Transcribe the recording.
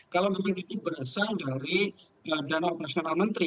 keterangan itu berasal dari dana operasional menteri